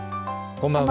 こんばんは。